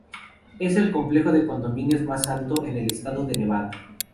Es el complejo de condominios más alto en el estado de Nevada.